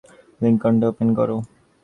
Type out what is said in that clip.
লিংকটা ওপেন করো।